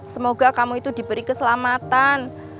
semoga kamu itu diberi keselamatan